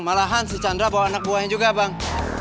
malahan si chandra bawa anak buahnya juga bang